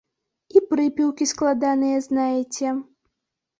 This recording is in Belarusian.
І прыпеўкі складныя знаеце.